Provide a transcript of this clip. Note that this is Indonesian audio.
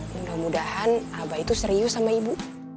mudah mudahan abah itu serius sama ibu